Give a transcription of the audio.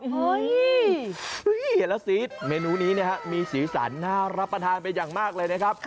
เห็นล่ะสิเมนูนี้มีสีสารน่ารับประทานไปอย่างมากเลยนะครับ